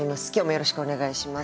よろしくお願いします。